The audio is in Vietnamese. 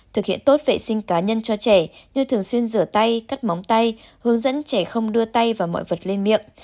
thực hiện tốt vệ sinh cá nhân cho trẻ như thường xuyên rửa tay cắt móng tay hướng dẫn trẻ không đưa tay và mọi vật lên miệng